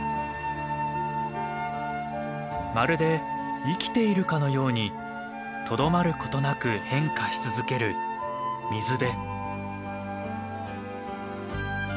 まるで生きているかのようにとどまることなく変化し続ける水辺。